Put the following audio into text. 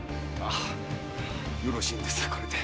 よろしいんですこれで。